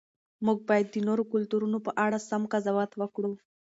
موږ باید د نورو کلتورونو په اړه سم قضاوت وکړو.